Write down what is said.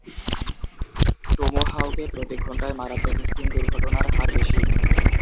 টোমাহাওকে প্রতি ঘন্টায় মারাত্মক স্পিন দুর্ঘটনার হার বেশি।